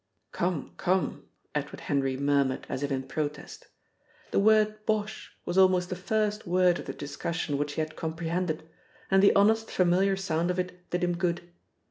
"Come, come!" Edward Henry murmured as if in protest. The word "bosh" was almost the first word of the discussion which he had comprehended, and the honest familiar sound of it did him good.